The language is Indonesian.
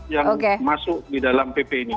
yang masuk di dalam pp ini